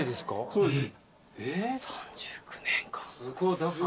そうです。